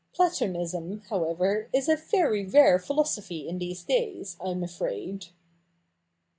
} Platonism, however, is a very rare philosophy in these days, I'm afraid.'